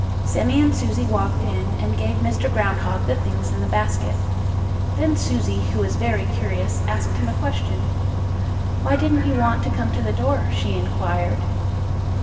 Sammie and Susie walked in and gave Mr. Groundhog the things in the basket. Then Susie, who was very curious, asked him a question. "Why didn't you want to come to the door?" she inquired.